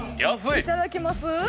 いただきます？